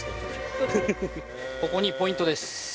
ここにポイントです。